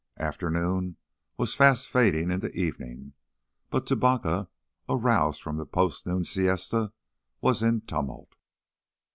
Afternoon was fast fading into evening, but Tubacca, aroused from the post noon siesta, was in tumult.